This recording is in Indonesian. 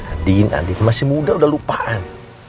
adin adin masih muda udah lupaan